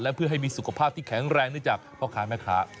เพื่อให้มีสุขภาพที่แข็งแรงเนื่องจากพ่อค้าแม่ค้า